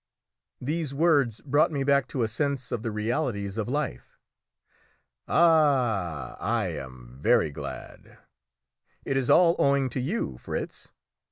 These words brought me back to a sense of the realities of life. "Ah, I am very glad!" "It is all owing to you, Fritz."